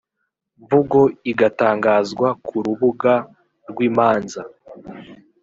mvugo igatangazwa ku rubuga rw imanza